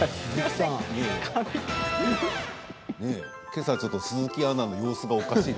今朝ちょっと鈴木アナの様子がおかしい。